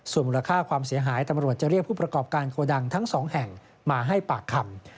ส่วนมูลค่าความเสียหายตำรวจจะเรียกผู้ประกอบการโกดังทั้งสองแห่งมาให้ปากคำ